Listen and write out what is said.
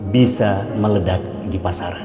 bisa meledak di pasaran